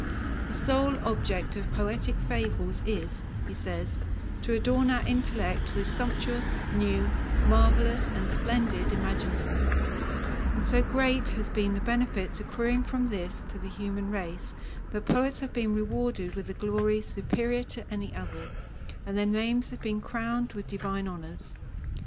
The sole object of poetic fables is, he says, to adorn our intellect with sumptuous, new, marvellous, and splendid imaginings, and so great has been the benefits accruing from this to the human race, that poets have been rewarded with a glory superior to any other, and their names have been crowned with divine honours.